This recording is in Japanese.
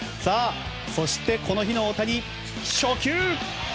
そして、この日の大谷、初球。